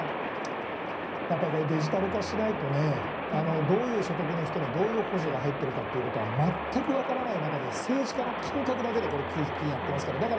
デジタル化しないとどういう所得の人にどういう補助が入っているかが全く分からない中で政治家の感覚だけで給付金やってますから。